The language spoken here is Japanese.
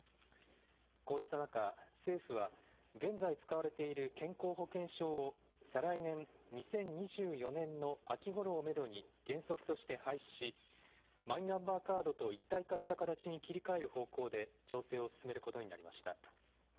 こうした中、政府は、現在使われている健康保険証を、再来年・２０２４年の秋ごろをメドに原則として廃止し、マイナンバーカードと一体化した形に切り替える方向で、調整を進めることになりました。